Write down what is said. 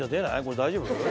これ大丈夫？